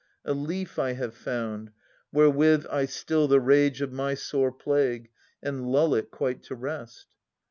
a leaf I have found, wherewith I still the rage Of my sore plague, and lull it quite to rest.